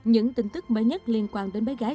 những tin tức mới nhất liên quan đến bé gái